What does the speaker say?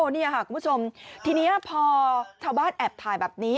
นี่ค่ะคุณผู้ชมทีนี้พอชาวบ้านแอบถ่ายแบบนี้